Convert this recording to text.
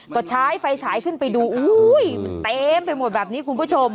ตัดช้ายไฟช้ายขึ้นไปดูอู้ยเต็มไปหมดแบบนี้คุณผู้ชม